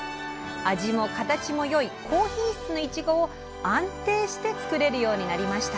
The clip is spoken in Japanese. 味も形も良い高品質のいちごを安定して作れるようになりました